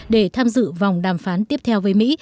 để tham dự vòng đàm phán tiếp theo với mỹ